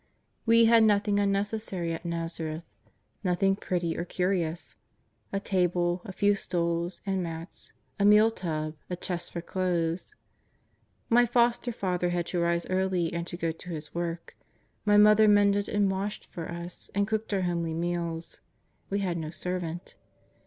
We had nothing imnecessary at ]N"azareth, nothing pretty or curious — a table, a few stools and mats, a meal tub, a chest for clothes. JMv Foster father had to rise early to go to his work. My Mother mended and washed for us and cooked our homely meals ; we had no sen^ant.